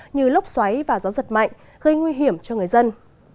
như lốc xoáy và gió giật mạnh gây nguy hiểm cho người dân